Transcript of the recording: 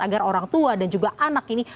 agar orang tua dan juga anak ini